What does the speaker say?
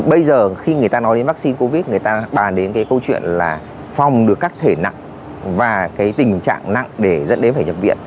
bây giờ khi người ta nói đến vaccine covid một mươi chín người ta bàn đến câu chuyện là phòng được các thể nặng và tình trạng nặng để dẫn đến phải nhập viện